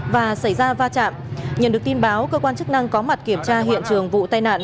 và xảy ra va chạm nhận được tin báo cơ quan chức năng có mặt kiểm tra hiện trường vụ tai nạn